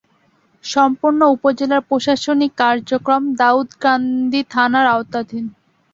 সম্পূর্ণ উপজেলার প্রশাসনিক কার্যক্রম দাউদকান্দি থানার আওতাধীন।